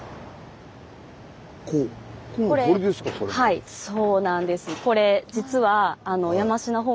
はいそうなんです。